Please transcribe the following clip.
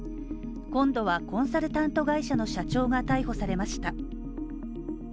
今度はコンサルタント会社の社長が逮捕されました。